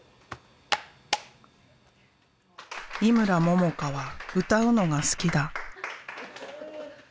井村ももかは歌うのが好きだ。